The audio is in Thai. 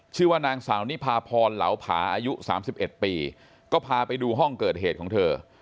ชื่อว่านางสาวนิพาพรเหลาผาอายุ๓๑ปีก็พาไปดูห้องเกิดเหตุของเธอ